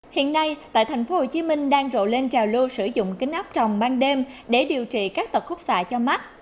hiện nay tại thành phố hồ chí minh đang rộ lên trào lưu sử dụng kính áp trồng ban đêm để điều trị các tật khúc xạ cho mắt